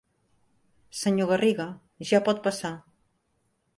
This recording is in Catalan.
Senyor Garriga, ja pot passar.